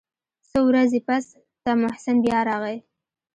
څو ورځې پس ته محسن بيا راغى.